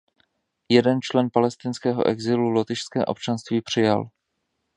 Jeden člen palestinského exilu lotyšské občanství přijal.